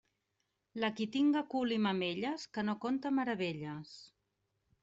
La qui tinga cul i mamelles que no conte meravelles.